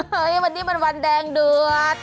เฮ้ยวันนี้มันวันแดงเดือด